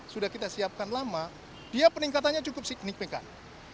sudah kita siapkan lama dia peningkatannya cukup signifikan